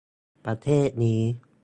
ประเทศนี้